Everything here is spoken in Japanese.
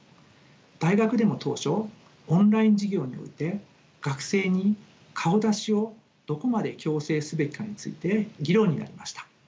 大学でも当初オンライン授業において学生に顔出しをどこまで強制すべきかについて議論になりました。